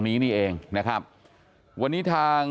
สวัสดีครับคุณผู้ชาย